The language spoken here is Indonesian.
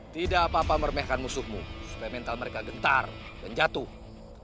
tidak apa apa meremehkan musuhmu supplemental mereka gentar dan jatuh kau harus tapuh sepada